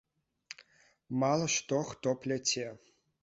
Мала што хто пляце.